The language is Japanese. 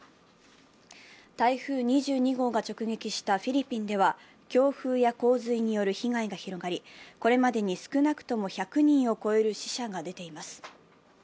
台風２２号が直撃したフィリピンでは強風や洪水による被害が広がり、これまでに少なくとも１００人を超える死者が出ています。